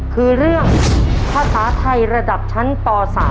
คือเรื่องภาษาไทยระดับชั้นป๓